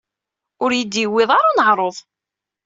Ur iyi-d-yuwiḍ ara uneɛruḍ.